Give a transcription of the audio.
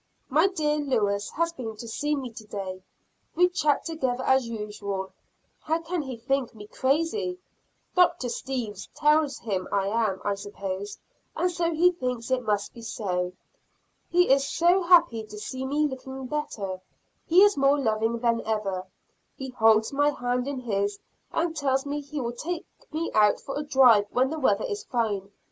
My dear Lewis has been to see me today. We chat together as usual; how can he think me crazy? Dr. Steeves tells him I am, I suppose, and so he thinks it must be so. He is so happy to see me looking better; he is more loving than ever; he holds my hand in his and tells me he will take me out for a drive when the weather is fine.